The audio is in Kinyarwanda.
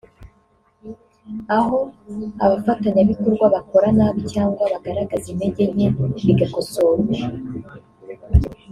aho abafatanyabikorwa bakora nabi cyangwa bagaragaza intege nke bigakosorwa